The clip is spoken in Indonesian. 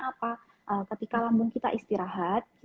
apa ketika lambung kita istirahat